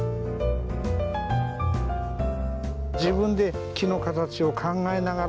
自分で木の形を考えながら。